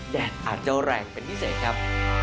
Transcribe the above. แดดอาจจะแรงเป็นพิเศษครับ